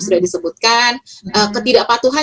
sudah disebutkan ketidakpatuhan